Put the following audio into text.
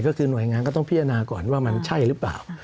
ก็คือหน่วยงานก็ต้องพิจารณาก่อนว่ามันใช่หรือเปล่า